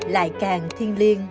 lại càng thiên liêng